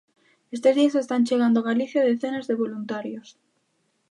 Estes días están chegando a Galicia decenas de voluntarios.